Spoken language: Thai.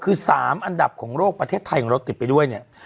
คือ๓อันดับของโลกประเทศไทยของเราติดไปด้วยเนี่ย